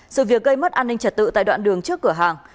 sự việc gây mất an ninh trật tự tại đoạn đường trước cửa hàng